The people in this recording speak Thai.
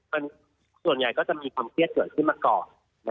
มันส่วนใหญ่ก็จะมีความเครียดเกิดขึ้นมาก่อน